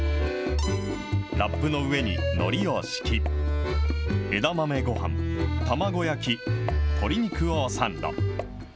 ラップの上にのりを敷き、枝豆ごはん、卵焼き、鶏肉をサンド。